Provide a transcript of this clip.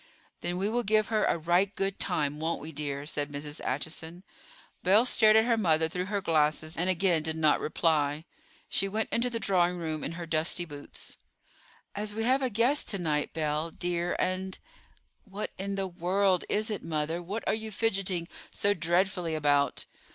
"Then we will give her a right good time; won't we, dear?" said Mrs. Acheson. Belle stared at her mother through her glasses, and again did not reply. She went into the drawing room in her dusty boots. "As we have a guest to night, Belle, dear; and——" "What in the world is it, mother? What are you fidgeting so dreadfully about?"